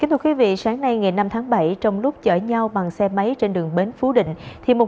thưa quý vị sáng nay ngày năm tháng bảy trong lúc chở nhau bằng xe máy trên đường bến phú định